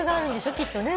きっとね。